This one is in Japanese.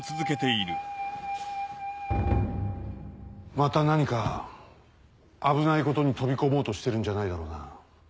また何か危ないことに飛び込もうとしてるんじゃないだろうな。